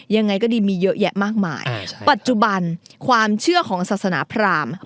ยังไงก็ดีมีเยอะแยะมากมายปัจจุบันความเชื่อของศาสนาพราม